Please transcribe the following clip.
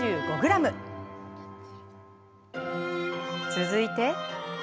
続いて。